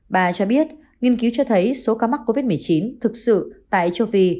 bà cho biết nghiên cứu cho thấy số ca mắc covid một mươi chín thực sự tại châu phi